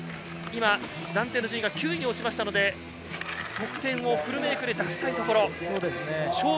暫定順位は９位に落ちたので、得点をフルメイクで出したいところ。